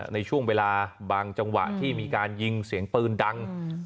ในช่วงเวลาบางจังหวะที่มีการยิงเสียงปืนดัง